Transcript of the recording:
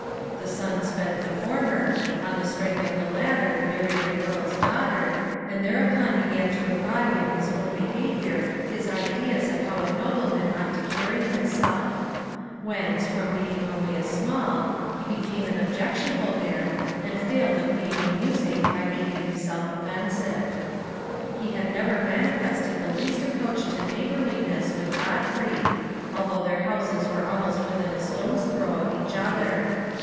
The son spent the former, on the strength of the latter married an earl's daughter, and thereupon began to embody in his own behavior his ideas of how a nobleman ought to carry himself; whence, from being only a small, he became an objectionable man, and failed of being amusing by making himself offensive. He had never manifested the least approach to neighborliness with Godfrey, although their houses were almost within a stone's throw of each other.